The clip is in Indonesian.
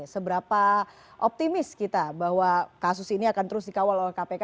seberapa optimis kita bahwa kasus ini akan terus dikawal oleh kpk